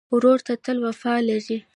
ورور ته تل وفا لرې.